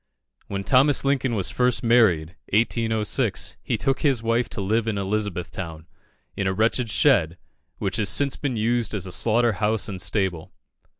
When Thomas Lincoln was first married (1806), he took his wife to live in Elizabethtown, in a wretched shed, which has since been used as a slaughter house and stable.